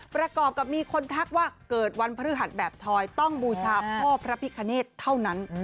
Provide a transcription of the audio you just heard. ประกอบกับมีคนทักว่าเกิดวันพฤหัสแบบทอยต้องบูชาพ่อพระพิคเนธเท่านั้น